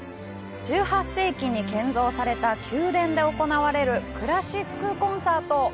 １８世紀に建造された宮殿で行われるクラシックコンサート！